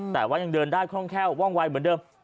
แต่ว่ายังเดินได้คล่องแค่ว่องวัยเหมือนเดิม